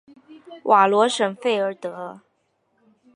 瓦罗什弗尔德。